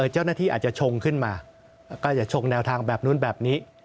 เจ้าหน้าที่อาจจะชงขึ้นมาก็จะชงแนวทางแบบนู้นแบบนี้